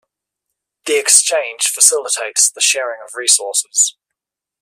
The Exchange facilitates the sharing of resources.